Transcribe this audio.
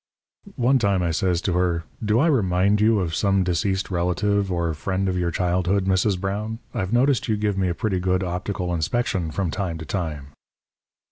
"One time I says to her: 'Do I remind you of some deceased relative or friend of your childhood, Mrs. Brown? I've noticed you give me a pretty good optical inspection from time to time.'